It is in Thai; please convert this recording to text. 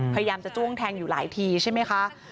พยายามจะจ้วงแทงอยู่หลายทีใช่ไหมคะ